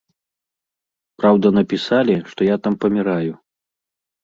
Праўда, напісалі, што я там паміраю.